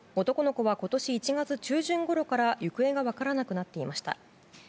男の子は今年１月中旬ごろから行方が分からなくなっていました。